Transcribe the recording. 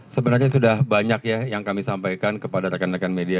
sebenarnya sudah banyak ya yang kami sampaikan kepada rekan rekan media